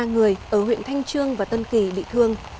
ba người ở huyện thanh trương và tân kỳ bị thương